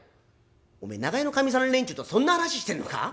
「おめえ長屋のかみさん連中とそんな話してんのか？